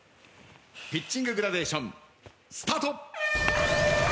ピッチンググラデーションスタート。